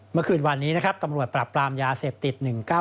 เมื่อคืนวันนี้นะครับตำรวจปรับปรามยาเสพติด๑๙๑